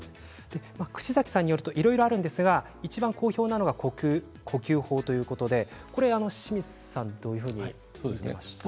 串崎さんによるといろいろあるんですがいちばん好評なのが呼吸法ということで清水さんどういうふうに見ますか？